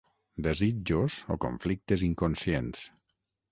desitjos o conflictes inconscients